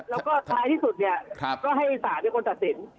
แล้วก็ท้ายที่สุดเนี่ยก็ให้ศาลเป็นคนตัดสิน